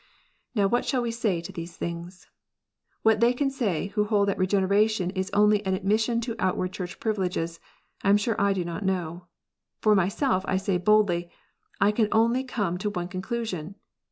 Now what shall we say to these things ? What they can say who "hold that Regeneration is only an admission to outward Church privileges, I am sure I do not know. For myself, I say boldly, I can only come to one conclusion.